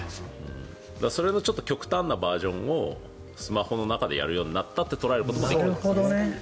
それの極端なバージョンをスマホの中でやるようになったって捉えることもできますね。